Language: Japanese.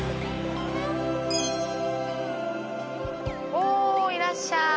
おいらっしゃい。